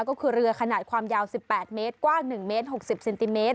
ก็คือเรือขนาดความยาวสิบแปดเมตรกว้างหนึ่งเมตรหกสิบเซนติเมตร